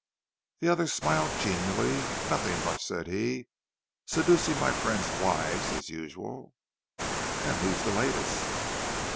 The other smiled genially. "Nothing much," said he. "Seducing my friends' wives, as usual." "And who's the latest?"